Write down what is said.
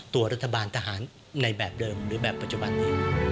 ตัวรัฐบาลทหารในแบบเดิมหรือแบบปัจจุบันนี้